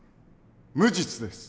無実です。